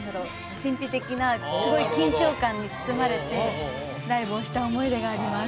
神秘的なすごい緊張感に包まれてライブをした思い出があります